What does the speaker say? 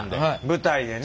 舞台でね。